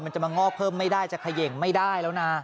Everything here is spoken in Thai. จะมางอกเพิ่มไม่ได้จะเขย่งไม่ได้แล้วนะ